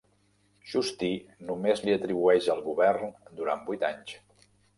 Justí només li atribueix el govern durant vuit anys.